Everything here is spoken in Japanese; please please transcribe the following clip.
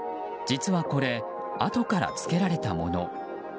実はこれ、後からつけられたもの。